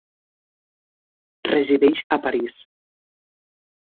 Resideix a París.